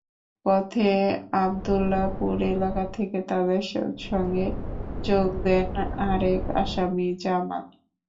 পথে আবদুল্লাহপুর এলাকা থেকে তাঁদের সঙ্গে যোগ দেন আরেক আসামি জামাল।